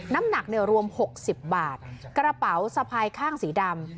น้ำหนักเนี่ยรวม๖๐บาทกระเป๋าสะพายข้างสีดำ